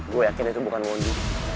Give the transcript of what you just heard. gue yakin itu bukan modi